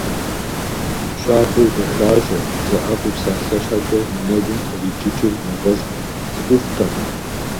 Щабэу дахащӏэ, бзэӏэфӏу псалъэ щхьэкӏэ и нэгум къриджыкӏыр нэгъуэщӏт – цӏыхуфӏтэкъым.